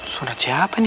suara jahat ini